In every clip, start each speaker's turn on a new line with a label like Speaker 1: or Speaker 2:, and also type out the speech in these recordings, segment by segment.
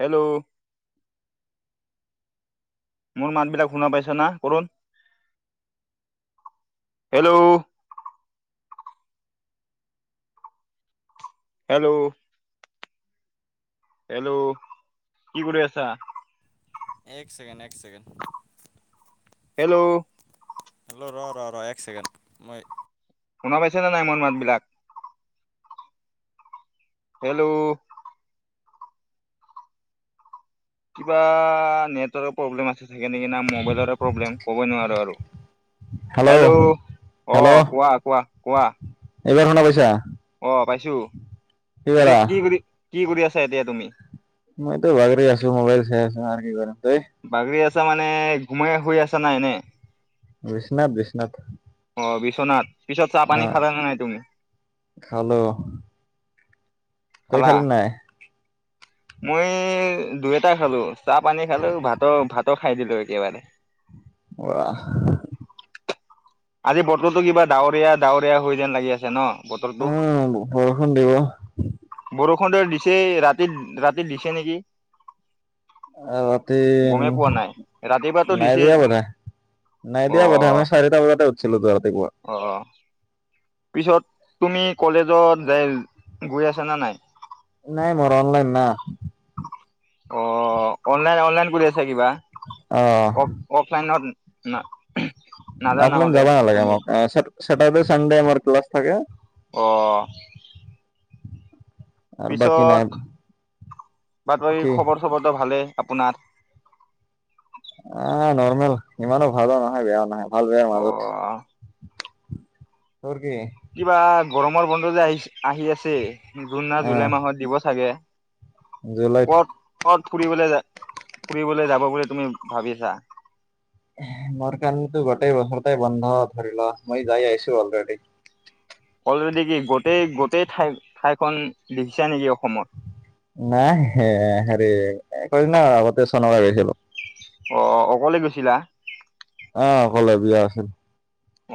Speaker 1: Hello. মোৰ মাত বিলাক শুনা পাইছ না কৰোন, হেল্ল'। হেল্ল'। হেল্ল' কি কৰি আছা?
Speaker 2: এক চছেকেণ্ড এক চছেকেণ্ড।
Speaker 1: হেল্ল'।
Speaker 2: হেল্ল' ৰ ৰ ৰ এক ছেকেণ্ড মই।
Speaker 1: শুনা পাইছে নে নাই মোৰ মাত বিলাক। হেল্ল'। কিবা নেটৱৰ্কৰ প্ৰব্লেম আছে ছাগে নেকি, না ম'বাইলৰে প্ৰব্লেম ক'বই নোৱাৰোঁ আৰু। হেল্ল'
Speaker 2: হেল্ল'
Speaker 1: আহ কোৱা কোৱা কোৱা।
Speaker 2: এইবাৰ শুনা পাইছা।
Speaker 1: অ, পাইছো। পিছত কি কৰি। কি কৰি আছা এতিয়া তুমি?
Speaker 2: মইতো বাগৰি আছো, মোবাইল চাই আছো আৰু কি কৰেম।
Speaker 1: বাগৰি আছো। মানে গুমাই শ আছা নাই নে।
Speaker 2: বিশ্বনাথ বিশ্বনাথ।
Speaker 1: অ বিশ্বনাথ। পিছত চাহ
Speaker 2: অ
Speaker 1: পানী খালান নাই তুমি?
Speaker 2: খালো তই
Speaker 1: খালা
Speaker 2: খালি নাই?
Speaker 1: মই দুই এটা খালো। চাহ পানী খালোঁ ভাতৰ ভাতৰ। খাই দিলো একেবাৰে।
Speaker 2: আহ।
Speaker 1: আজি বতৰতো কিবা ডাৱৰীয়া ডাৱৰীয়া হৈ যেন লাগি আছে ন। বতৰটো
Speaker 2: উম বৰষুণ দিব।
Speaker 1: খডৰ দিছে ৰাতি ৰাতি দিছে নেকি [unintelligible]
Speaker 2: ৰাতি,
Speaker 1: গমেই পোৱা নাই ৰাতিপুৱাতো
Speaker 2: নাই
Speaker 1: দিছেই
Speaker 2: দিয়া বতাহ নাই
Speaker 1: অ
Speaker 2: দিয়া বতাহ। আমি চাৰিটা বজাততে উঠি। গুৱাহাটী পৰা।
Speaker 1: অ পিছত তুমি কলেজত যাই গৈ আছ নে নাই।
Speaker 2: নাই মোৰ অননলাইন না
Speaker 1: অ অনলাইন অনলাইন কৰি আছা কিবা
Speaker 2: অ
Speaker 1: অফ অফলাইনত ন
Speaker 2: আপোনালে যাব নালাগে মাক চাতাৰডে চানডে আমাৰ ক্লাছ থাকে
Speaker 1: আহ
Speaker 2: আৰু বাকী নাই
Speaker 1: পিছত বাট বাকী
Speaker 2: কি
Speaker 1: খবৰ চবৰটো ভালে। আপোনাৰ
Speaker 2: আহ নৰ্মেল ইমানো ভালো নহয় বেয়াও নহয়। ভাল বেয়া
Speaker 1: অ
Speaker 2: মাজত উম ঘোৰ কি
Speaker 1: কিবা গৰমৰ বন্ধ যে আহি আহি আছে। জুন না
Speaker 2: অ
Speaker 1: জুলাই মাহত দিব চাগে।
Speaker 2: জুলাইত
Speaker 1: ক'ত কত ফুৰিবলৈ ফুৰিবলৈ যাব বুলি তুমি ভাবিছা
Speaker 2: মোৰ কাৰণটো গোটেই বছৰটাই বন্ধ ধৰিল মই যাই আহিছো অলৰেডি।
Speaker 1: অলৰেডি কি গোটেই গোটেই ঠাই ঠাইখন দেখিছো নেকি অসমত।
Speaker 2: নাই হেৰি কৰি ন আগতে চনকা গৈছিলো
Speaker 1: অ অকলে গৈছিলা
Speaker 2: আহ অ কলে বিয়া আছিল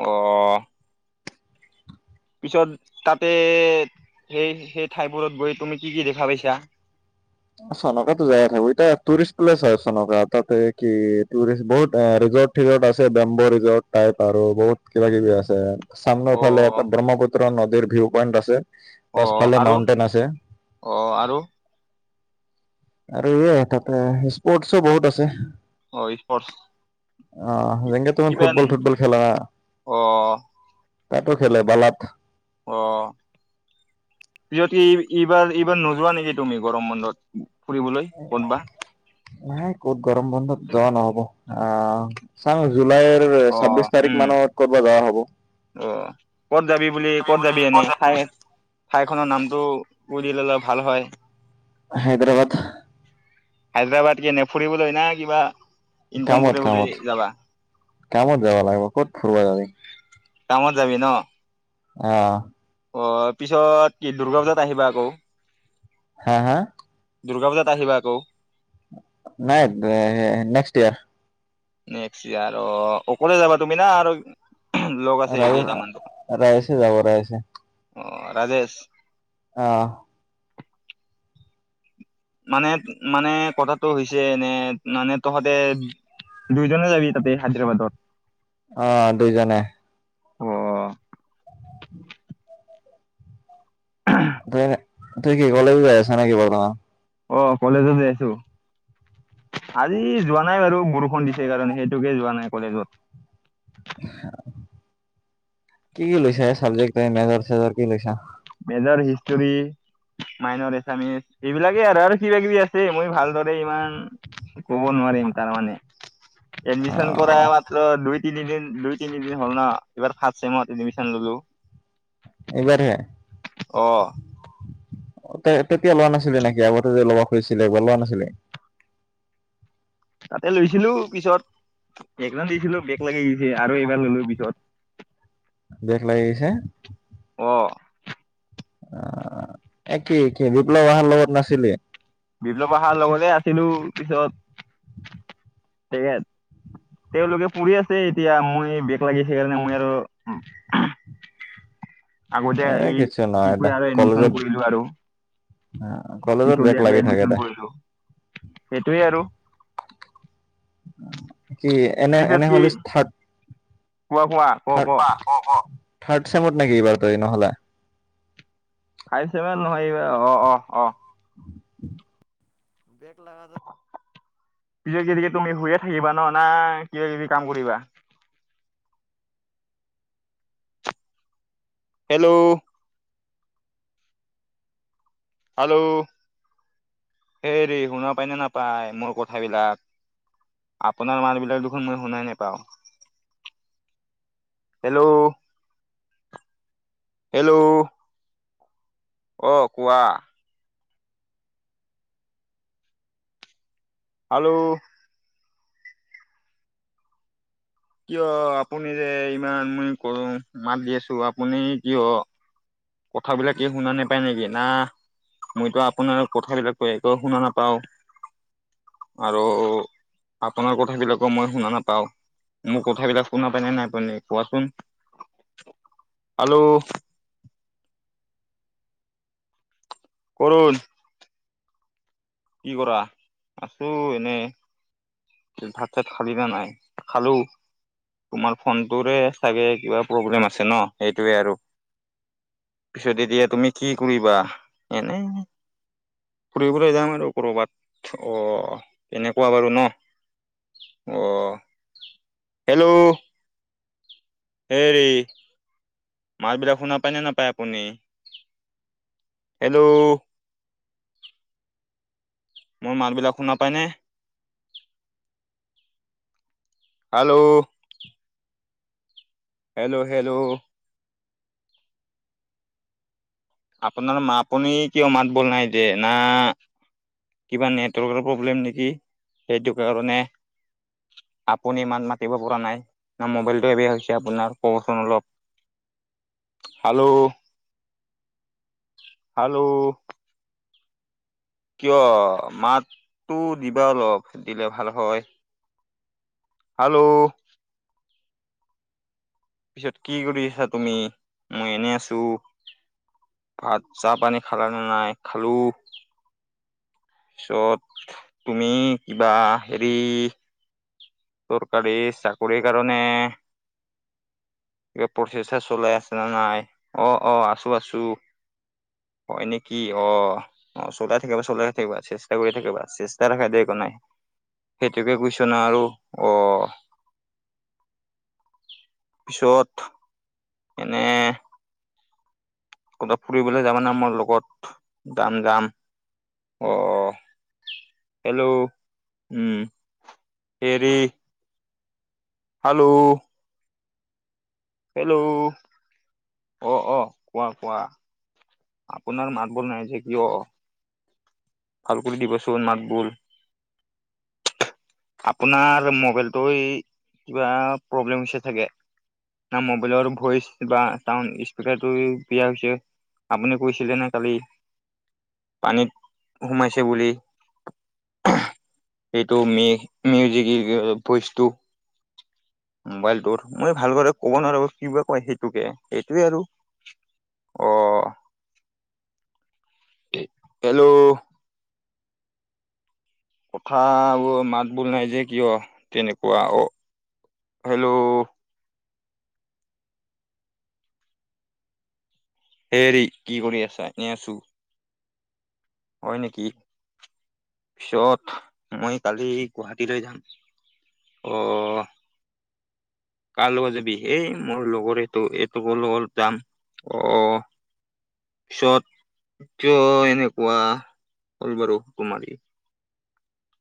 Speaker 1: আহ পিছত তাতে সেই সেই ঠাইবোৰত গৈ তুমি কি কি দেখা পাইছা
Speaker 2: চনকাাতো জায়া থাকো এতিয়া টুৰিষ্ট প্লেচ হয় চনকা তাতে কি টুৰিষ্ট বহুত এ ৰিজৰ্ট চিজৰ্ট আছে বেম্ব ৰিজৰ্ট টাইপ আৰু বহুত কিবা কিবি আছে। সামন ফফালে
Speaker 1: অ'
Speaker 2: এটা ব্ৰহ্মপুত্ৰ ন ৰ ভিউ পইণ্ট আছে
Speaker 1: অ
Speaker 2: পাছফালে
Speaker 1: আৰু
Speaker 2: মাউন্টেইন আছে
Speaker 1: অ আৰু
Speaker 2: আৰু এ তাতে স্পৰ্টছো বহুত আছে।
Speaker 1: অ স্পষ্ট
Speaker 2: অ জে তুমাৰ ফুটবল ফুটবল খেল না।
Speaker 1: অ'
Speaker 2: তাতো খেলে বালাত
Speaker 1: অ যিত এইবাৰ এইবাৰ নোযোৱা নেকি তুমি গৰম বন্ধত ফুৰিবলৈ ক'তবা?
Speaker 2: নাই ক'ত গৰম বন্ধত যোৱা নহব। অ চামছো জুলাইৰ
Speaker 1: অ'
Speaker 2: ছাবিশ তাৰিখ
Speaker 1: উম
Speaker 2: মানত ক'ব যোৱা হ'ব
Speaker 1: অ কত যাবি বুলি কত যাবি এনে খাই ঠাইখনৰ নামটো সুধি ললে ভাল হয়।
Speaker 2: হায়দৰাবাদ
Speaker 1: হায়দৰাবাদ কি নে ফুৰিবলৈ হয় না কিবা ইনকাম
Speaker 2: কামত
Speaker 1: কৰিবলৈ
Speaker 2: কামত
Speaker 1: যাবা
Speaker 2: কামত যাবা লাগিব ক'ত ফুুৰব যাবি
Speaker 1: কামত যাবি ন
Speaker 2: আহ
Speaker 1: অ পিছত দুৰ্গা পূজাত আহিবা আকৌ
Speaker 2: হা হা
Speaker 1: দুৰ্গা পূজাটা আহিব কৌ
Speaker 2: নাই নেক্সট ইয়াৰ
Speaker 1: নেক্স ইয়াৰ অকলে যাবা তুমি না আৰু লগ আছে
Speaker 2: ৰাই
Speaker 1: কেইটামান
Speaker 2: ৰাইছে যাব ৰাইছে
Speaker 1: অ ৰাজেশ
Speaker 2: আহ
Speaker 1: মানে মানে কথাটো হৈছে এনে মানে তহঁতে দুইজনে যাবি তাতে হায়দৰাবাদত
Speaker 2: আহ দুইজনে
Speaker 1: অ
Speaker 2: ত তুই কি কলেজো গাই আছ নে কি বৰ্তমান
Speaker 1: অ কলেজতে আছো আজি যোৱা নাই বাৰু বৰষুণ দিছে কাৰণে সেইটোকে যোৱা নাই কলেজত
Speaker 2: [unintelligible]
Speaker 1: মেজৰ হিষ্টৰী মাইনৰ এছামিচ এইবিলাকে আৰু আৰু কিবা কিবি আছে। মই ভালদৰে ইমান কব নোৱাৰিম তাৰ মানে
Speaker 2: অ
Speaker 1: এডমিশন কৰা মাত্ৰ দুই তিনিদিন দুই তিনিদিন হ'ল ন এইবাৰ ফাৰ্ষ্ট চেমত এডমিশন ললো
Speaker 2: এইবাৰহে
Speaker 1: আহ
Speaker 2: তে তেতিয়া লোৱা নাছিলে নেকি আগতে ল'ব খুজিছিলে বা লোৱা নাছিলে
Speaker 1: তাতে লৈছিলো পিছত এক্সাম দিছিলো বেগ লাগি গৈছে আৰু এইবাৰ ললো পিছত
Speaker 2: বেক লাগি গৈছে
Speaker 1: অ
Speaker 2: আহ একেই বিপ্লৱ অহাৰ লগত নাছিলি
Speaker 1: বিপ্লৱ অ আহাৰ লগতে আছিলো পিছত তেওঁলোকে পঢ়ি আছে এতিয়া মই বেগ লাগিছেকাৰণে মই আৰু আগতে
Speaker 2: এ কিছু নহয়
Speaker 1: এই কৰি
Speaker 2: দে
Speaker 1: আৰু এডমিচন
Speaker 2: কলেজত
Speaker 1: কৰিলো আৰু
Speaker 2: কলেজত বেগ লাগি থাকে দে
Speaker 1: সেইটোৱে আৰু
Speaker 2: কি এনে
Speaker 1: পিছত
Speaker 2: এনে
Speaker 1: কি
Speaker 2: হলে থাৰ্ড
Speaker 1: কোৱা কোৱা ক
Speaker 2: থড
Speaker 1: ক
Speaker 2: থাৰ্ড চেমত নেকি এইবাৰ তৰি নহ'লে
Speaker 1: ফাইভ চছেভেন নহয় এইবাৰ অ অ অ
Speaker 2: বেগ লগাগটো
Speaker 1: এতিয়া কি তুমি শুয়ে থাকিবা ন না কিবা কিবি কাম কৰিবা হেল্ল' হেল্ল' হেৰি শুনা পায় নে নাপায় মোৰ কথাবিলাক আপোনাৰ মাল বিলাক দেখনোন মই শুনাই নোপাওঁ হেল্ল' হেল্ল'। অ কোৱা। হেল্ল' কিয় আপুনি যে ইমান মই কৰো মাত দি আছো আপুনি কিয়। কথাবিলাক এই শুনা নোপায় নেকি না মইতো আপোনাৰ কথাবিলাকো একো শুনা নাপাও আৰু আপোনাৰ কথাবিলাকো মই শুনা নাপাও মোৰ কথাবিলাক শুনা পায় নে নাই পায় নেক কোৱাচোন আৰু। কৰণ। কি কৰা আছো এনে ভাত চাত খালি না নাই খালো তোমাৰ ফোনটোৰে চাগে কিবা প্ৰব্লেম আছে ন সেইটোৱে আৰু পিছত এতিয়া তুমি কি কৰিবা এনে ফুৰিব ফলৈ যাম আৰু। ক'ৰবাত অ তেনেকুৱা বাৰু ন অ হেল্ল'। হেৰি। মাৰ বিলাক শুনা পায় নে নাপায় আপুনি হেল্ল'। মোৰ মাত বিলাক শুনা পায়নে। হেল্ল'। Hello hello. আপোনাৰ আপুনি কিয় মাত বোল নাই যে না। কিবা নেটৱৰ্কৰ প্ৰব্লেম নেকি সেইটো কাৰণে আপুনি ই মাত মাতিব পৰা নাই ন মোবাইলটোবেয়া হৈছে আপোনাৰ কবচোন অলপ হালো হালো। কিয় মাতটো দিবা অলপ দিলে ভাল হয় হেল্ল। পিছত কি কৰি আছা তুমি মই এনে আছো ভাত চাহ পানী খালা নে নাই খালো। পিছত তুমি কিবা হেৰি। চৰকাৰী চাকৰিৰ কাৰণে কিবা প্ৰচেষ্টা চলাই আছে ন নাই অ অ আছো আছো হয় নেকি অ অ চলাই থাকিবা চলাই থাকিবা চেষ্টা কৰি থাকিবা চেষ্টা ৰাখা দে একো নাই সেইটোকে কৈছ ন আৰু। অহ পিছত। এনে। ক'বাত ফুৰিবলে যাবানে মোৰ লগত যাম যাম অহ হেল্ল' উম হেৰি। হেল্ল'। হেল্ল' অ অ কোৱা কোৱা আপোনাৰ মাতবল নাই যে কিয় ভাল কৰি দিবচোন মাতবল আপোনাৰ মোবাইলটো কিবা প্ৰব্লেম হৈছে চাগে। ন মোবাইলৰ ভইচ বা চাউণ্ড স্পকাৰাৰটো বেয়া হৈছে আপুনি কৈছিলে নে কালি পানীত সোমাইছে বুলি সেইটো ম মিউজিক ভইচটো মোবাইলটোৰ মই ভালক। কব নোৱাৰিব কিব কয় সেইটোকে সেইটোৱে আৰু আহ হেল্ল'। কথ বোৰ মাত বল নাই যে কিয় তেনেকুৱা অ হেল্ল'। হেৰি কি কৰি আছা ন আছো। হয় নেকি পিছত মই কালি গুৱাহাটীলৈ যাম অহ। কাৰ লগত যাবি হেই মোৰ লগৰ এইটো এইটোক লগত যাম অহ পিছত কিয় এনেকুৱা হল বাৰু সেটো মাৰি।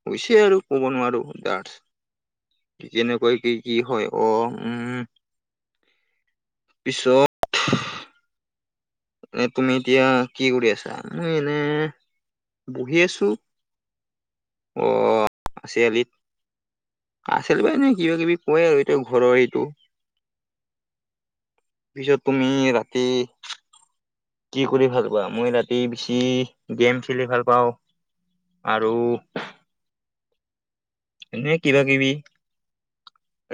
Speaker 1: হৈছে আৰু কব নোৱাৰো ড যেনেকৈ কি কি হয় অ উম পিছত। এনে তুমি এতিয়া কি কৰি আছা মই এনে বহি আছো অহ চিআলিত আচ বা এনে কিবা কিবি কয় আৰু এতিয়া ঘৰৰ হটো তাৰপিছত তুমি ৰাতি। কি কৰি ভাল পোৱা মই ৰাতি বেচি গেম খেলি ভাল পাওঁ আৰু। এনে কিবা কিবি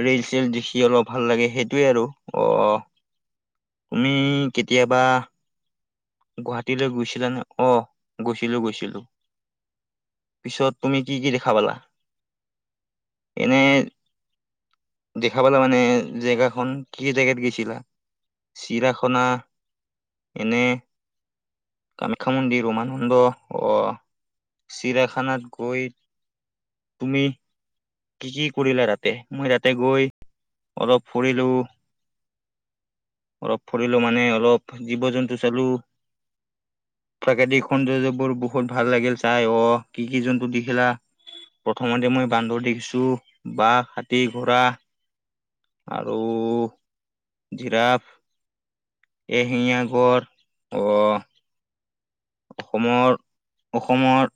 Speaker 1: ৰিল চল দেখি অলপ ভাল লাগে সেইটোৱে আৰু অহ তুমি কেতিয়াবা। গুৱাহাটীলৈ গৈছিলাানে অ গৈছিলো গৈছিলো পিছত তুমি কি কি দেখা পালা এনে দেখা পালা মানে জেগাখন কি জেগাত গৈছিলা চিৰাখনা এনে। কামাখ্যা মন্দিৰ ৰমানন্দ আহ চিৰাখানাত গৈ তুমি। কি কি কৰিলা তাতে মই তাতে গৈ অলপ ফুৰিলো অলপ ফৰিলো মানে অলপ জীৱ জন্তু চালো প্ৰাকৃতিক সৌন্দৰ্যবোৰ বহুত ভাল লাগিল চাই অ কি কি জন্তু দেখিলা প্ৰথমতে মই বান্দৰ দেখিছো। চু বাঘ হাতী ঘোঁৰা। আৰু জিৰাফ এহিঙীয়া গড় অ। অসমৰ অসমৰ।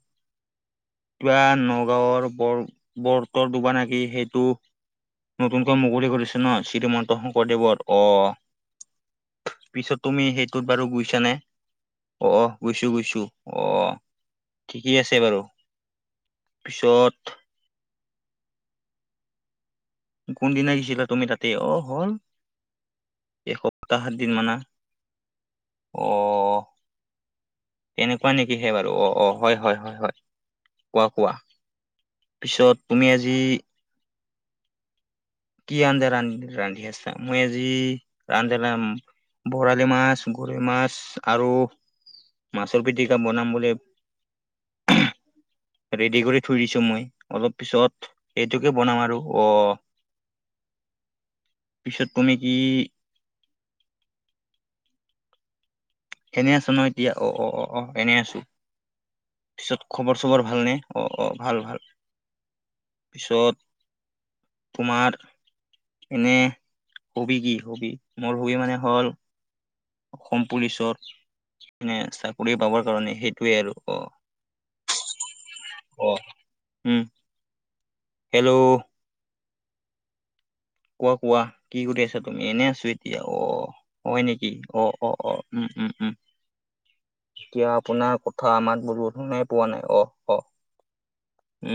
Speaker 1: কিবা নগাঁৱৰ বৰতৰ দুবা নেকি সেইটো। নতুনকৈ মুকলি কৰিছ ন শ্ৰীমন্ত শংকৰদেৱৰ আহ পিছত তুমি সেইটোত বাৰু গৈছানে আহ গৈছো গৈছো অহ ঠিকেই আছে বাৰু পিছত। কোনদিনা গিছিলা তুমি তাতেই অ হল এসপ্তাহ সাতদিন মানে অহ এনেকুৱা নেকি হে বাৰু অ অ হয় হয় হয় হয় কোৱা কোৱা পিছত তুমি আজি। কি আঞ্জা ৰান্ধি আছা মই আজি ৰান্ধা বৰালি মাছ গৰৈ মাছ আৰু মাছৰ পিটিকা বনাম বুলি। ৰেডি কৰি থৈ দিছো মই অলপ পিছত এইেইটোকে বনাম আৰু অহ পিছত তুমি কি। এনে আছো নহ এতিয়া অ অ অ অ এনে আছো পিছত খবৰ চবৰ ভালনে অ অ ভাল ভাল পিছত তোমাৰ এনে হবি কি হবি মোৰ হবি মানে হ'ল অসম পুলিচৰ। মানে চাকৰি পাবৰ কাৰণে সেইটোৱে আৰু অ অ উম। হেল্ল'। কোৱা কোৱা কি কৰি আছা তুমি এনে আছো এতিয়া অ হয় নেকি অ অ অ উম উম উম এতিয়া আপোনাৰ কথা আমাত ব শুনাই পোৱা নাই অ অ উম।